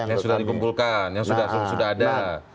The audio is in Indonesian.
yang sudah dikumpulkan yang sudah ada